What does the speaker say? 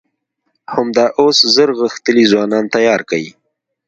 همدا اوس زر غښتلي ځوانان تيار کئ!